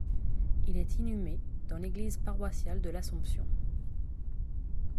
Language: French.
Il est inhumé dans l'église paroissiale de L'Assomption.